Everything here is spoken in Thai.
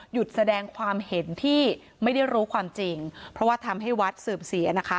แสดงความเห็นที่ไม่ได้รู้ความจริงเพราะว่าทำให้วัดเสื่อมเสียนะคะ